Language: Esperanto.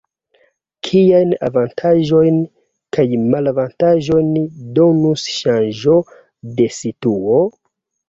Kiajn avantaĝojn kaj malavantaĝojn donus ŝanĝo de situo?